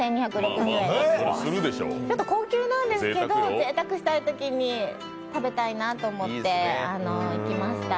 ちょっと高級なんですけど、ぜいたくしたいときに食べたいと思って行きました。